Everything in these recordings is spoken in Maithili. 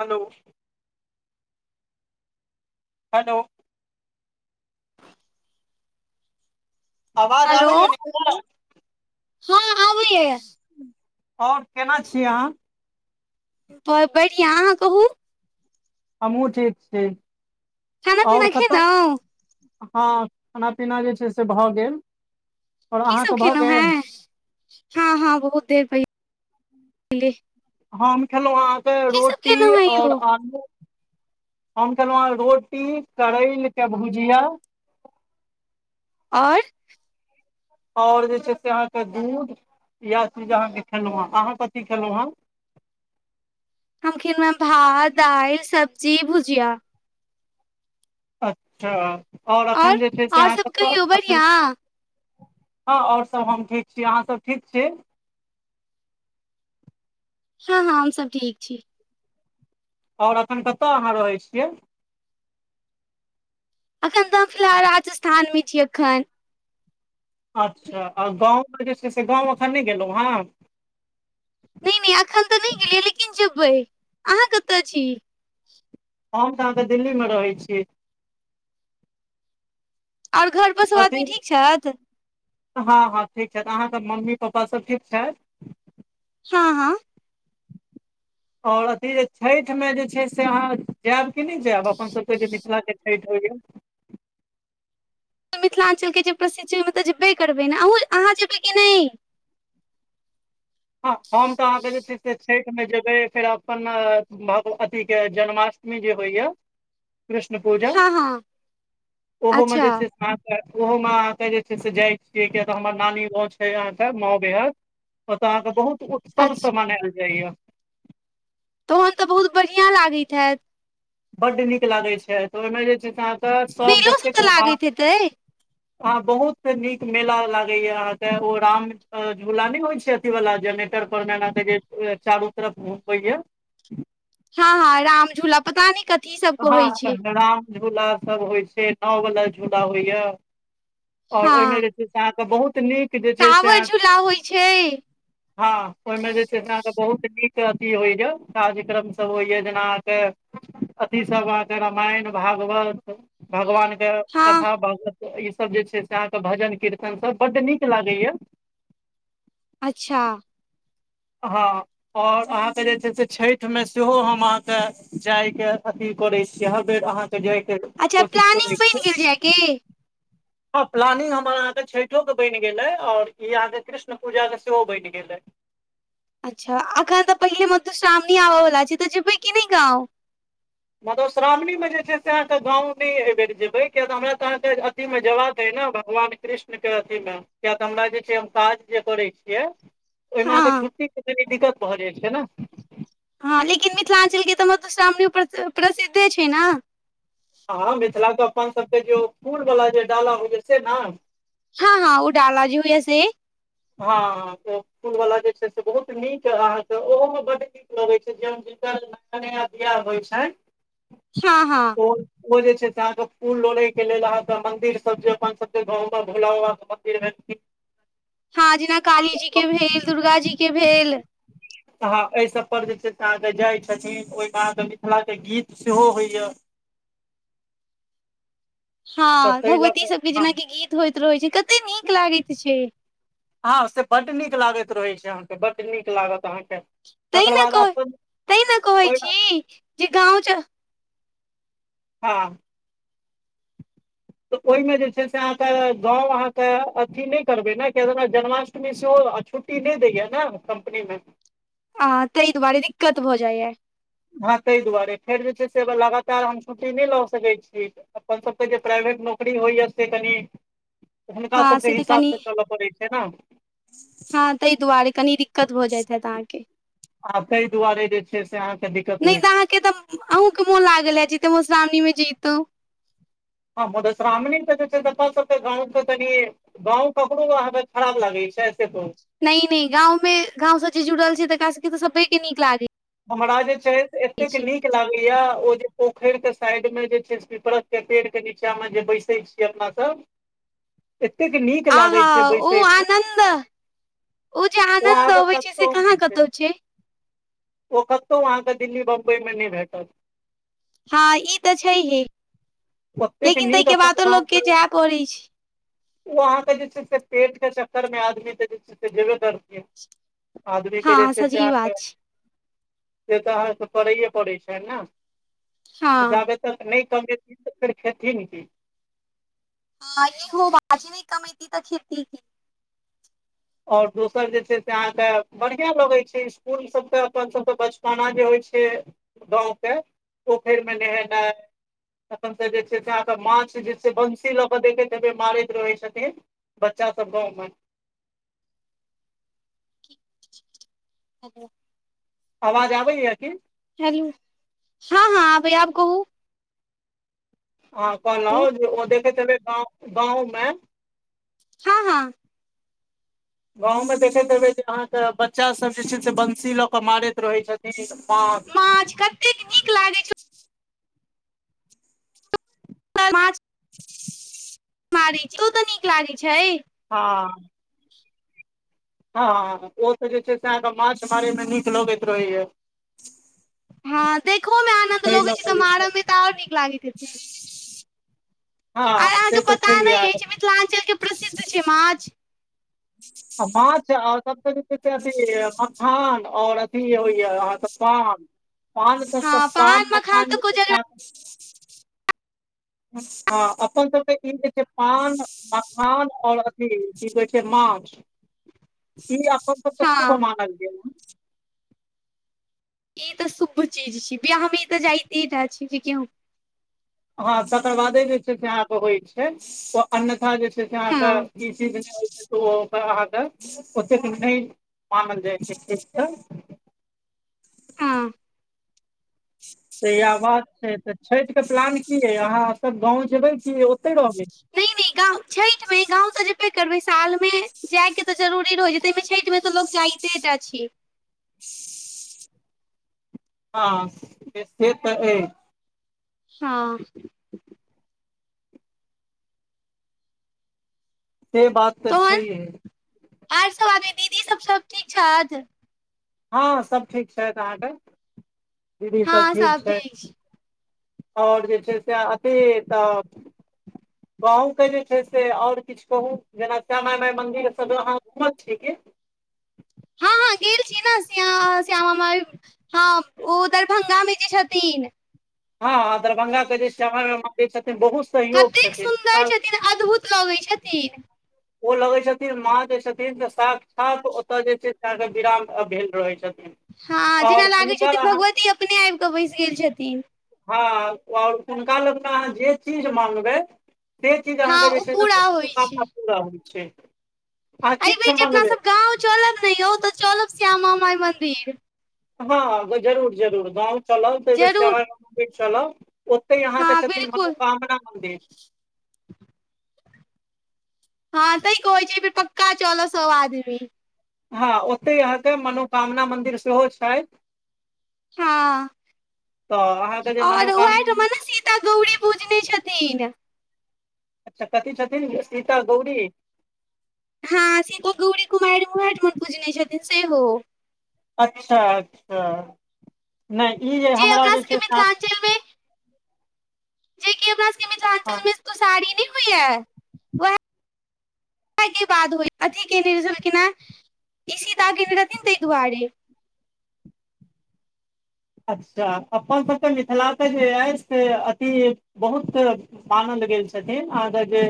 हलो हेलो आवाज हेलो आबैय निक सँ हँ आबैय आओर केना छी अहाँ हँ बढ़िया अहाँ कहू हमहुँ ठीक छी खाना आओर पीना कतऽ खेलहुँ हँ खाना पीना जे छै से भऽ गेल आओर की सब अहाँके भऽ खेलहु गेल है हँ - हँ बहुत देर पै ले हम खेलहुँ अहाँकेँ रोटी खेलहुँ हेँ यौ आओर आलू हम खेलू अहाँ कऽ रोटी करैल केँ भुजिया आओर आओर जे छै से अहाँकेँ दूध यैह चीज अहाँकेँ खेलहु हे अहाँ कथी खेलहु हे हम खेलहु हे भात दाइल सब्जी भुजिया अच्छा आओर और एखन जे छै से और अहाँ सब कतय कहियौ अखैन बढ़िआँ हँ आओर सब हम ठीक छी अहाँ सब ठीक छी हँ हँ हम सभ ठीक छी आओर अखन कतऽ अहाँ रहै छियै अखैन तऽ हम फिलहाल राजस्थान मे छी अखैन अच्छा आ गाँव केँ जे छै से गाँव अखन नय गेलहुँ हँ नय नच अखन तऽ नय गेलियै लेकिन जेबै अहाँ कतऽ छी हम तऽ अहाँ कऽ दिल्ली मऽ रहै छी आओर घर पर सब अथी आदमी ठीक छैथ हँ हँ ठीक छैथ अहाँ सब मम्मी पपा सभ ठीक छैथ हँ हँ! आओर अथी जे छैठमे जे छै से अहाँ जैब की नय जैब अपन सभ केँ जे मिथिलाके छैठ होइ य त मिथिलाञ्चलके जे प्रसिद्ध छै ओहिमे तऽ जेबे करबै ने अहूँ अहाँ जेबै कि नहि? ह हम तऽ अहाँके जे छै से छठिमे जेबै फेर अपन भग पटी के जन्माष्टमी जे होइया कृष्ण पूजा हँ हँ ओहोमे अच्छा जे छै स्वास्थ्य ओहो मे अहाँके जे छै से जाय छीै यै कििया तऽ हमर नाली गाँ छै अहाँके माँउ बेहट अहाँ के बहुत उत्सव से अच्छा मनायल जाय य तहन तऽ बहुत बढ़िआँ लागैत हेत बड्ड नीक लागै छै तऽ ओहिमे जे छै से अहाँके सभ मेलो सब जतेक तऽ बा लागैत हेतै अ बहुत नीक मेला लागैएा अहाँके ओ राम झूला नहि होइत छथि व जनेटर पर मे चारू तरफ घुमबै य हँ हँ राम झूला पता नय क अहा राम झूला सब होइ छै नाव वला झूला होइया आओर ओहिमे हँ जे छै से अहाँके बहुत नीक जे छै टावर सेआयब झूला होइ छै हँ ओहिमे जे छै से अहाँके बहुत नीक अथी होइए कार्यक्रमसभ होइए जेना अहाँके अथी सब अहके रामायण भागवत भगवान के हँ कथा भवत इ सब जे छै से अहाँके भजन किर्तन सब बड निक लागैया अच्छा हँ आओर अहाँके जे छै से छठिमे सेहो हम अहाँके जायके अथी करैत छी हर बेर अहाँके तऽ जाइके कोशिश करै छै की हँ प्लानिंग हमर अहाँके छठोक के बनि गेलै और ई अहाँके कृष्ण पूजा के सेहो बनि गेलै। अच्छा अखन तऽ पहिले मतल सामने आबऽ वला छै तऽ जेबै की नहि गाँंव। मधुश्रावणीमे जे छै से अहाँके गाँव नहि एहिबर जेबै किय तऽ हमरा तऽ अहाँके अथीमे जबाक अय ने भगवान कृष्ण के अथी मे किय तऽ हमरा जे छै हम काज जे करै छियै ओहिमे हँ अहाँके छुट्टीे कनी दिक्कत भऽ जाइत छै न हँ लेकिन मिथिलाञ्चलके तऽ मधुश्रावणी प्रसिद्धे छै ने। हँ मिथिला के अपन सबके जेो फूल वाला जे डाला होइय छै से ने हां हां ओ डाला होईइए से। हँ फूल वला जे छै से बहुत नीक अहाँके ओहोमे ब-ड गै नया नया बियाह होइ छै हँ हँ। ओ जे छै से अहाँके फूल लोड़े के लेल अहाँके मंदिर सब जे अपन सब गाँव मे भोला बा के [inaudible] हँ जेना काली जी के भेल दुर्गा जी के भेल। ह एहि सब पर जे छै से अहाँके जाइ छथिन ओहिमे अहाँके मिथिला के गीत सेहो होइया तऽ हँ ताहि लऽ कऽ भगवतीसभके हँ जेनाकि गीत होइत रहैत छै कतेक नीक लागैत हेतै हॅं से बड नीक लागैत रहै छै अहाँके बड नीक लागत अहाँके त तकर ने बाद कह अपन तहि ने कहै ओहिमे छी जे गाँव त हँ। ओहिमे जे छै से अहाँके गाँंव अहाँके अथी नहि करबै ने किय तना जन्माष्टमी सेहो आ छुट छुट्टी दे दैये न दैया ने कम्पनी मे आ तई दुआारे दिककत भ हो जाइए हँ ताहि दुआरे फेर जे छै से लगातार हम छुट्टी नहि लऽ सकैत छीियै अपन सब जे प्राइवेट नौकरी होइ से तनी हुनका हँ सभके से तऽ कनि हिसाबसँ चलय पड़ैत छै ने' हँ तऽ ई दुआरे कथिक आ ताहि दुआरे जे छै से अहाँके दिक्कत होइत। के तऽ अहूँ के मोन लागल ये जीत मधुश्रावणी मे ज हँ म [unintelligible] श्राह्मणी ज तपासत गाँ त तनी गाँव ककरो अहाँके खराब लागै छै [unintelligible] से बहु न न गांव मे गांव चीज जुड़ल छै तका सब त सबे के नीक लागे ये हमरा जे छै एतेक नीक नीक लागे या ओ जे पोखर के साइड मे जे छै पिपड़त के पेड़ के नीचा मे जे बैसे छीय अपना सब एतेक नीक लागै आहा छै ओ बैसयमे आनन्द जे ओ आनन्द अहाँक अबै छै से कसो कहाँ उमर छै कतौ ओ कतहु अहाँके दिल्ली बम्बई मे नहि भेटल हँ ई तऽ छैहे ओतेक लेकिन नीक ताहिके अपन बादो गाँव लोकके के जाय पड़ै छै। ओ अहाँके जे छै से पेट के चक्कर मे आदमी के जे छै से जेबे करतै। आदमीके जे हँ छै से सजीव अहाँके अछि से तऽ अहाँके करैए पड़ैत छै ने हँ जाबे तक नहि क ने र खेती न की [inaudible] नहि हो भाजी नहि कमाइति तऽ खेती [unintelligible] आओर दोसर जे छै से अहाँके बढ़िआँ लगैत छै इसकुलसभके अपनसभके बचपना जे होइत छै। गाँव के प त फेर मे न हेना तखन त जे छै से अहाँके माछ जे छै बंशी लऽ क देखैत हबे मारैत रहै छथिन बच्चा सब गाँवमे [unintelligible] ह आवाज आबैया हेलो हँ हँ आबै या आब कहू हँ कहल ओ देख तै ग गाँवमे हँ हँ गाँंव मे देखैत हेबे जे अहाँके बच्चा सब जे छै से कुसी लऽ कऽ मारैत रहै छथिन माछ एतेक नीक लागै छै छ [unintelligible] [inaudible] छै ओ तऽ नीक लागैत छै हँ हँ ओ तऽ जे छै से अहाँके माछ मारे मे नीक लगैत रहैत हँ देखहोमे आनन्द ताहि लऽ लगैत छै कऽ तऽ जे मारयमे तऽ आओर नीक लागैत हेतै हँ आर अहाँके से तऽ पता छैहे नहि अहाँके अछि मिथिलाञ्चलके प्रसिद्ध छै माछ। माछ आर सभ जे अथी मखान आओर अथी होइय अहाँ। पान पान [unintelligible] हँ सब पान मखान तऽ कोजगरा ह हँ अपन सबके ई जे छै पान मखान आऔर अ थि जी माछ ईी अपन त क्त हँ भमा लिय ई तऽ शुभ चीज छी बिआ हम ई तऽ जाइते रहटा छी जेक हम हँ तकर बादे जे छै से अहाँके होइ छै ओ अन्यथा जे छै हँ हाँीी [unintelligible] ओ ओते अहाँके ओतेक नै मानल जाइ छै हँ [unintelligible] छठि के प्लान की यइ अहाँ सब गाँव जेबै की ओतै रहबै नै नै गांव छठ मे गांव तऽ जेबे करबै साल मे जाए के तऽ जरुरी रहै छै तैमे छैठमे तऽ लोक जाइते टा छै हँ हँ से तऽ अए हँ से बात तऽ तहन छैहे आर सब आदमी दीदी सब सब ठीक छैथ हँ सब ठीक छथि अहाँके दीदी सब ठीक छथि आओर जे छै से अथी तऽ बहुके जे छै से आओर किछु कहू जेना श्यामा माय घ [unintelligible] छीयै न श्यामा श्यामा माइ हँ ओ दरभंगा मे जे छथिन हँ दरभंगा के जे श्यामा मा--मन्दिर छथिन बहुत सहयोग कतेक छथिन सुन्दर हुनका। छथिन अद्भुत लगै छथिन ओ लगै छथिन माँ जे छथिन साकछात ओतय जे छै विराम भेल रहै छथिन हँ आओर जेना लागै हुनकर छथिन अहाँ भगवती अपने आब कऽ बैस गेल छथिन हँ आओर हुनका लगमे अहाँ जे चीज माँंगबै से चीज हँ अहाँके जे ओ छै ने पूरा होइ मनोकामना पूरा होइ छै अहाँ अए बेर किछु जे मँगबै अपनासब गाँव चलब ने यौ तऽ चलब श्यामा माइ मन्दिर हँ जरूर जरूर गांव चलाब तैऽ बेर जरूर श्यामा माय चलब ओतै हँ यहाँके छथिन बिलकुल मनोकामना मन्दिर हँ तैं कहै छी एबेर पक्का चलबऽ सब आदमी हँ ओतै अहाँके मनोकामना मंन्दिर सेहो छैथ हँओर तऽ अहाँके जे मनोकामना मनेी [unintelligible] ता गौरी पुजने छथिन अच्छा कथी छथिन सीता गौरी हँ सीधु गौरी कुमारि उहेएठमा पुजने छथिन सेहो अच्छा अच्छा नै ई जे हमरा अपना जे सबके छै से आ जैके अपना सबके हँ मिथिलाञ्चल मे इसको सारी नै होई या वह [unintelligible] रहथिन ताहि दुआरे अच्छा अपनसबके मिथिलाके जे अछिइ से अथी बहुत- सामंद गेल छथिन अहाँके जे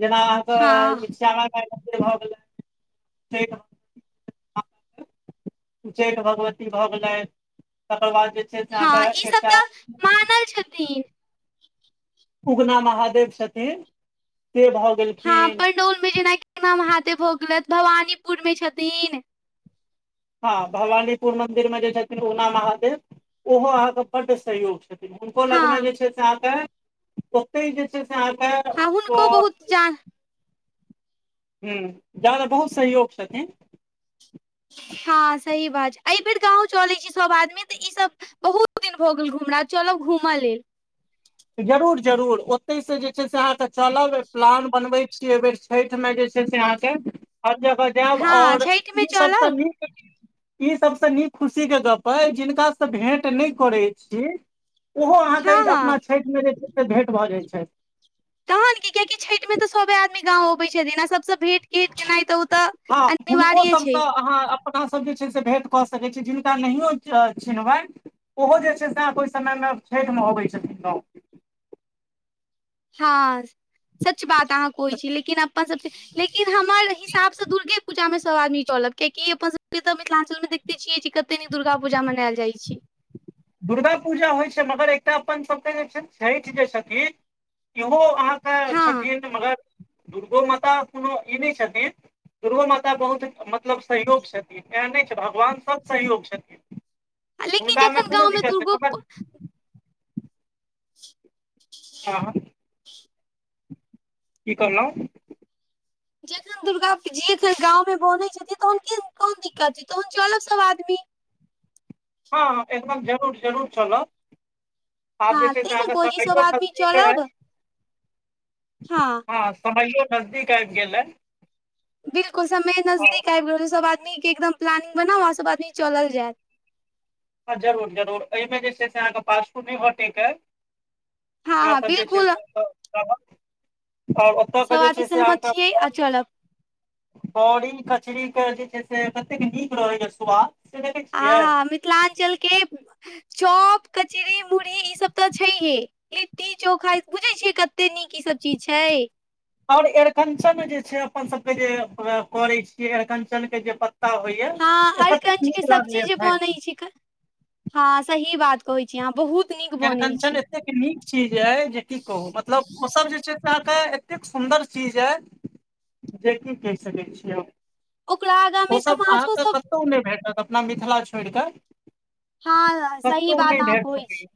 जेना आ त हँ ई श्यामा माय मंदिर भऽ गेलै तबके बा उच्चैठ भगवती भए गेलै तकर बाद जे छै से अहाँके हँ ई सब एकटा तऽ मानल छथिन उगना महादेव छथिन से भाव हँ पणडौल मे जेनाकि उगना महादेव भऽ गेलथि भवानीपुर मे छथिन हँ भवानीपुर मंदिर मे जे छथिन उना महादेव ओहो अहाँके बड्ड सहयोग हुनको हँ लगमे जे छै से अहाँके ओतहि जे छै से अहाँके ओ चाह हूँ जायमे बहुत सहयोग छथिन हँ सही बात छै एहि बेेर गाँव चलैत छै सभ आदमी तऽ ई बहुत दिन भऽ गेल घुमनाय चलब घूमऽ लेल जरूर जरूर ओतय से जे छै से अहाँके चलब प्लान बनबै छीयै एहि बेर छैठमे जे छै से अहाँके हर जगह जायब हँ आओर छठि मे ई सबसँ चलब नीक ई सबसँ नीक खुशी के गप अइ जिनका से भेंट नहि करै छीये ओहो हँ अहाँके हँ अपना छैठमे जे छै से भेँट भऽ जाइत छै तहन की कियाकि छठि मे तऽ सभे आदमी गाँव अबैतै छथिन आ सभसँ भेंट घेट केनाइ तऽ ओ तऽ हँ हुनको अनिवार्य छै सभसँ अहाँ गप अपना सब जे छै से भेँट कऽ सकैत छी जिनका नहियो चिनबैन ओहो जे छै से ओहि समय मे छठिमे अबै छथिन हँ सच बात अहाँ कोहो छी लेकिन अपन सब लेकिन हमर हिसाब से दुर्गे पूजा मे सब आदमी चलक कियाकि अपन सबके तऽ मिथिलाञ्चलमे देखिते छियै कि कते दिन दुर्गा पूजा मनायल जाइ छै दुर्गा पूजा होइ छै मगर एकटा अपन सबके जे छै छैेठ जे छथिन इहो अहाँ [unintelligible] हँ छथिन मगर दुर्गो माता कोनो ई नहि छथिन दुर्गो माता बहुत मतलब सहयोग छथिन एहन नहि छै भगवान सब सहयोग लेकिन हुनकामे जखन कोनो गाँवमें दिक्कत नहि दुर्गो मगर हँ, की करलहु जखन दुर्गा जी एखन गाँवमे बनैत छथिन तहन कोन दिक्कत छै तहन चलब सभ आदमी हँ एकदम जरूर जरूर चलू आब जे हँ छै ते से ने अहाँके कहै छी सब साइयओ आदमी नजदीक चलब हइ हँ हँ समझयो नजदीक आब गेल बिल्कुल समय नजदीक आब गेल छै सब आदमीक के एकदम प्लानिंग बना आ सभ आदमी चल जाय जरूर जरूर एहिमे जे छै से अहाँके [unintelligible] पासपुट नहि भटेके ह हँ हम हँ सब जे छै बिल्कुल से रहब आओर सब के जे आदमी छै से सहमत अहाँके छियै आ चलब बड़ी कचरीके जे छै से कतेक नीक रहै या स्वाद से देखैत छियै आ मिथिलाञ्चल के चौप कचरी मुड़ी ई सब तऽ छैहे लिट्टी चोखा बुझै छियै कते नीक ई सब चीज छै आओर एिकञ्चन जे छै अपन सभके जे करै छियै एरिकंचनके जे होइया हँ ओ कतेक अर्गञजके नीक लागलै सब्जी जे खाय बनैत छैके हँ सही बात कहै छी अहाँ बहुत नीक बनैत अरिकंचन छी एतेक नीक चीज एय जे की कहु मतलब ओ सब जे छै से अ के एते सुंन्दर चीज य जे की कहि सकै छियै ओकरा आगाँ मे तऽ ओसभ माछो अहाँकेँ सब कतहु नहि भेटत अपना मिथिला छोड़ कऽ हँ तस त सही ओ नहि बात अहाँ डर कहै छी सकै